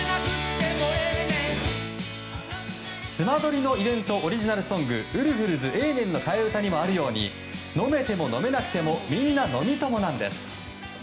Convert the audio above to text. スマドリのイベントオリジナルソングウルフルズ、「ええねん」の替え歌にもあるように「飲めても飲めなくても、みんな飲みトモ。」なんです！